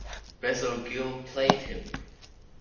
Basil Gill played him.